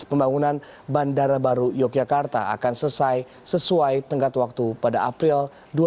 pembangunan bandara baru yogyakarta akan selesai sesuai tenggat waktu pada april dua ribu dua puluh